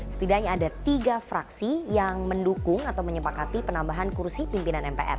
setidaknya ada tiga fraksi yang mendukung atau menyepakati penambahan kursi pimpinan mpr